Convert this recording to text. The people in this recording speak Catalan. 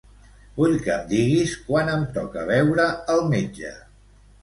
Vull que em diguis quan em toca veure al metge.